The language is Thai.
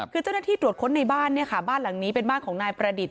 คือเจ้าหน้าที่ตรวจค้นในบ้านเนี่ยค่ะบ้านหลังนี้เป็นบ้านของนายประดิษฐ